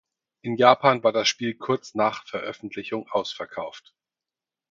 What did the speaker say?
In Japan war das Spiel kurz nach Veröffentlichung ausverkauft.